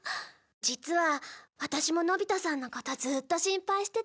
実はワタシものび太さんのことずっと心配してたの。